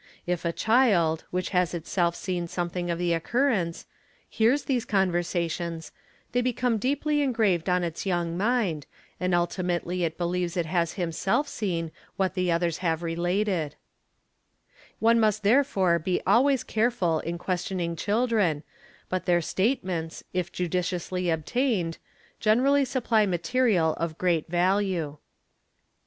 If a child, which has itself seen something of the occurrence, hears these conversations, they become DIFFERENCES IN NATURAL QUALITIES AND CULTURE 93 deeply engraved on its young mind, and ultimately it believes it has itself | 'seen what the others have related", _ One must therefore be always careful in questioning children but their statements, if, judiciously obtained, generally supply material of 3 "great value.